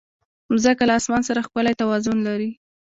مځکه له اسمان سره ښکلی توازن لري.